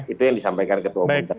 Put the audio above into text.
itu yang disampaikan ketua umum tadi